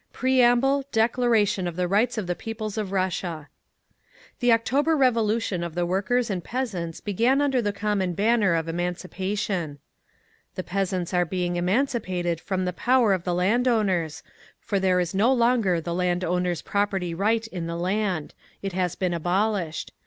PREAMBLE—DECLARATION OF THE RIGHTS OF THE PEOPLES OF RUSSIA The October Revolution of the workers and peasants began under the common banner of Emancipation. The peasants are being emancipated from the power of the landowners, for there is no longer the landowner's property right in the land—it has been abolished.